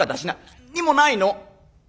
「何にもないの」。